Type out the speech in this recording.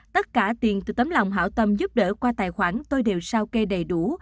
tất cả tiền từ tấm lòng hảo tâm giúp đỡ qua tài khoản tôi đều sao kê đầy đủ